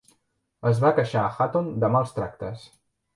Es va queixar a Hatton de mals tractes.